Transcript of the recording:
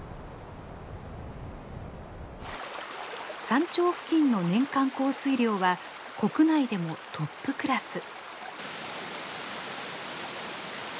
山頂付近の年間降水量は国内でもトップクラス。